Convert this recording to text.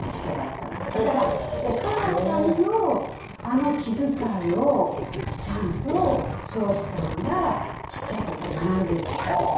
だからお母さんのあの気遣いをちゃんと彰子さんはちっちゃい時から学んでるんです。